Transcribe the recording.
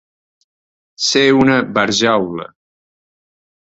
Ser una barjaula.